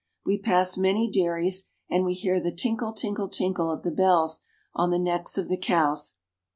We pass many dairies, and we hear the tinkle, tinkle, tinkle of the bells on the necks of the cows.